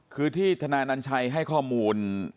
คือที่ฐานายนันใจให้ข้อมูล